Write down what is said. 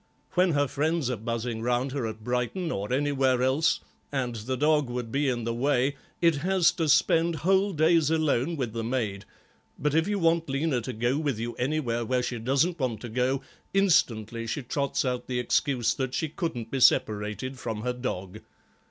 When her friends are buzzing round her at Brighton or anywhere else and the dog would be in the way, it has to spend whole days alone with the maid, but if you want Lena to go with you anywhere where she doesn't want to go instantly she trots out the excuse that she couldn't be separated from her dog.